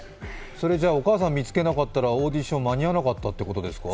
それ、じゃあ、お母さん見つけなかったらオーディション、間に合わなかったということですか？